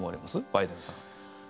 バイデンさん。